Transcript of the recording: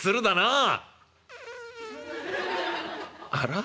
「あら？